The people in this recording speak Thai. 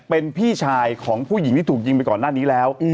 เป็นพี่ชายของผู้หญิงที่ถูกยิงไปก่อนหน้านี้แล้ว